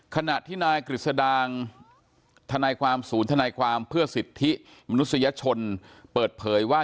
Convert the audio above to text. ขณะที่นายกฤษดางทนายความศูนย์ทนายความเพื่อสิทธิมนุษยชนเปิดเผยว่า